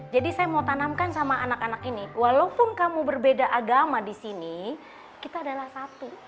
jadi saya mau tanamkan sama anak anak ini walaupun kamu berbeda agama di sini kita adalah satu